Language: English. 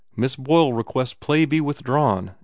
Miss Boyle requests play be withdrawn.